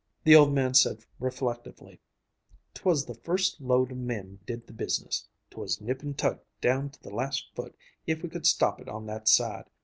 The old man said reflectively: "'Twas the first load of men did the business. 'Twas nip and tuck down to the last foot if we could stop it on that side.